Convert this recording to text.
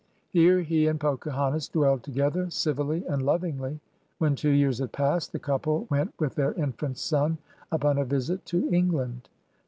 Here he and Pocahontas dwelled together '"civilly and lovingly. " When two years had passed the couple went with their infant s(m upon a visit to England.